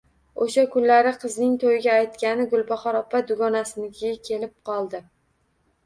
O`sha kunlari qizining to`yiga aytgani Gulbahor opa dugonasinikiga kelib qoldi